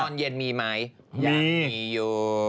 มียังมีอยู่